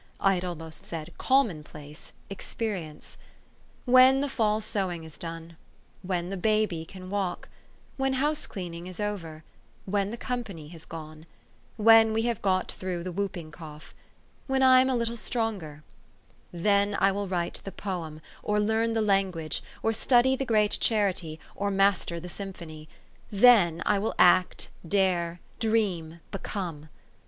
273 I had almost said commonplace, experience, " When the fall sewing is done," "When the baby can walk," " When house cleaning is over," " When the company has gone," "When we have got through with the whooping cough," "When I am a little stronger," then I will write the poem, or learn the language, or study the great charity, or master the symphony ; then I will act, dare, dream, become.